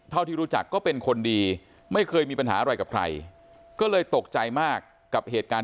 ที่รู้จักก็เป็นคนดีไม่เคยมีปัญหาอะไรกับใครก็เลยตกใจมากกับเหตุการณ์